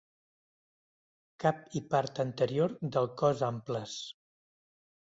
Cap i part anterior del cos amples.